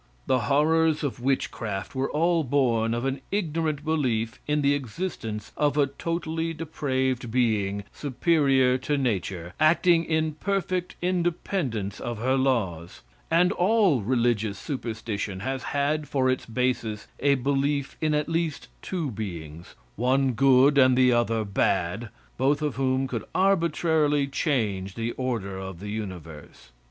The horrors of witchcraft were all born of an ignorant belief in the existence of a totally depraved being superior to nature, acting in perfect independence of her laws; and all religious superstition has had for its basis a belief in at least two beings, one good and the other bad, both of whom could arbitrarily change the order of the universe.